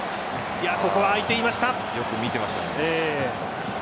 ここは空いていました。